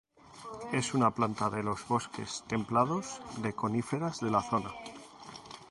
Es una planta de los bosques templados de coníferas de la zona.